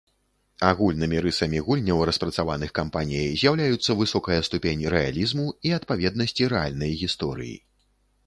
Агульнымі рысамі гульняў, распрацаваных кампаніяй, з'яўляюцца высокая ступень рэалізму і адпаведнасці рэальнай гісторыі.